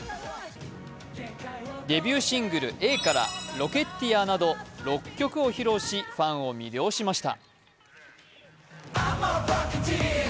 デビューシングル「Ａ」から「Ｒｏｃｋｅｔｅｅｒ」など６曲を披露しファンを魅了しました。